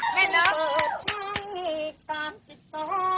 แม่นัก